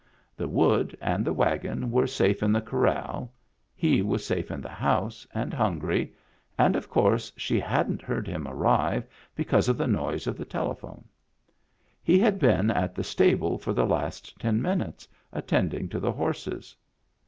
The wood and the wagon were safe in the corral, he was safe in the house and hungry ; and, of course, she hadn't heard him arrive because of the noise of the telephone. He had been at the stable for the last ten minutes, attending to the horses.